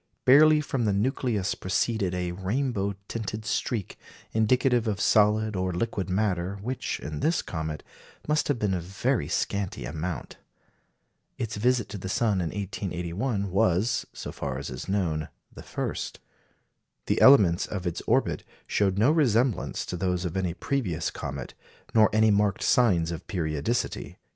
Barely from the nucleus proceeded a rainbow tinted streak, indicative of solid or liquid matter, which, in this comet, must have been of very scanty amount. Its visit to the sun in 1881 was, so far as is known, the first. The elements of its orbit showed no resemblance to those of any previous comet, nor any marked signs of periodicity.